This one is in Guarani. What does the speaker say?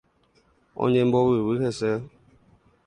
Oñembovyvy hese.